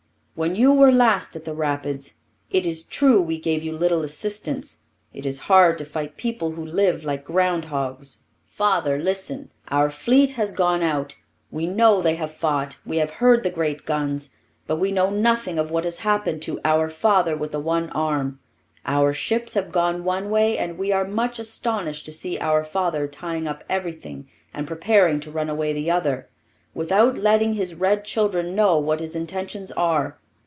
When you were last at the Rapids, it is true we gave you little assistance. It is hard to fight people who live like ground hogs. Father, listen! Our fleet has gone out; we know they have fought; we have heard the great guns; but we know nothing of what has happened to 'our father with the one arm.' Our ships have gone one way, and we are much astonished to see our father tying up everything and preparing to run away the other, without letting his red children know what his intentions are.